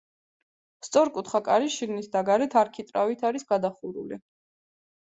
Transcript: სწორკუთხა კარი შიგნით და გარეთ არქიტრავით არის გადახურული.